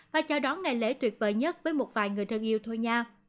và chào đón ngày lễ tuyệt vời nhất với một vài người thân yêu thôi nha